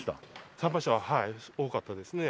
参拝者は多かったですね。